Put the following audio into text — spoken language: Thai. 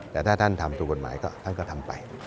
แต่ถ้าท่านทำถูกกฎหมายก็ท่านก็ทำไป